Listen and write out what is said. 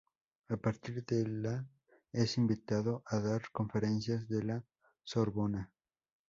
A partir de la es invitado a dar conferencias en La Sorbona.